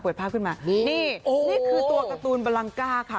นี่คือตัวการ์ตูนบลังกาค่ะ